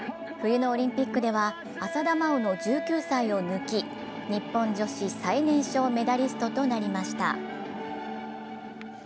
冬のオリンピックでは浅田真央の１９歳を抜き日本女子最年少メダリストとなりました。